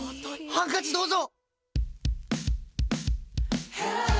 ハンカチどうぞ！